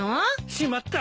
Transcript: しまった。